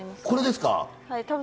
これですか？